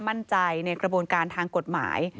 มั่นใจในกระบวนการทางกฎหมาย